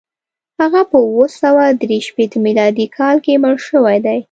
هغه په اووه سوه درې شپېته میلادي کال کې مړ شوی دی.